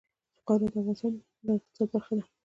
خاوره د افغانستان د اقتصاد برخه ده.